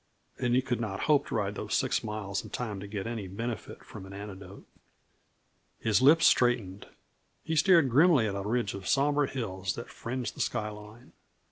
And he could not hope to ride those six miles in time to get any benefit from an antidote. His lips straightened, he stared grimly at a ridge of somber hills that fringed the skyline.